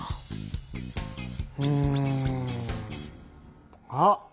うん。あっ！